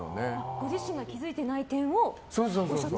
ご自身が気付いてない点をおっしゃってたんですか。